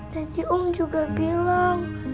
tadi om juga bilang